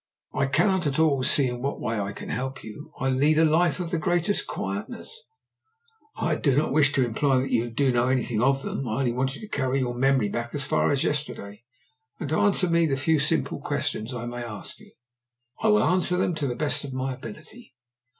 "I cannot at all see in what way I can help you. I lead a life of the greatest quietness." "I do not wish to imply that you do know anything of them. I only want you to carry your memory back as far as yesterday, and to answer me the few simple questions I may ask you." "I will answer them to the best of my ability."